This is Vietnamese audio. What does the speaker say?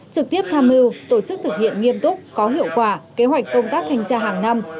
trực tiếp tham mưu tổ chức thực hiện nghiêm túc có hiệu quả kế hoạch công tác thanh tra hàng năm